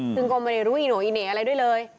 ซึ่งก็ไม่ได้รู้อีโน่อีเหน่อะไรด้วยเลย